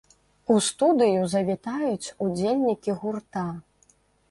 У студыю завітаюць удзельнікі гурта!